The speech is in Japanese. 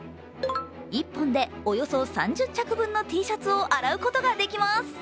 １本でおよそ３０着分のＴシャツを洗うことができます。